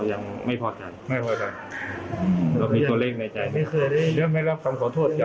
งับไม่ได้รับคำขอโทษจ้ะ